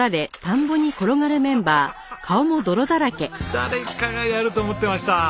誰かがやると思ってました。